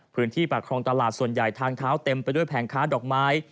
ปากครองตลาดส่วนใหญ่ทางเท้าเต็มไปด้วยแผงค้าดอกไม้